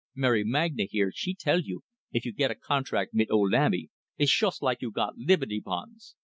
Mary Magna, here, she tell you, if you git a contract vit old Abey, it's shoost like you got libbidy bonds.